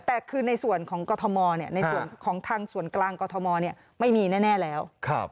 แต่คือในส่วนของกรทมในส่วนของทางส่วนกลางกรทมไม่มีแน่แล้ว